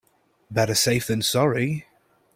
Better safe than sorry.